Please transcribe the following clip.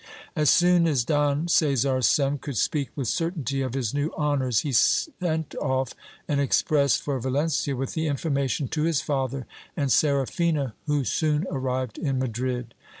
As soon as Don Caesar's son could speak with certainty of his new honours, he sent off an express for Valencia with the information to his father and Sera phina, who soon arrived in Madrid.